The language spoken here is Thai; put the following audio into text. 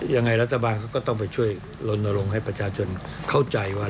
ยังไงรัฐบาลก็ต้องไปช่วยลนลงให้ประชาชนเข้าใจว่า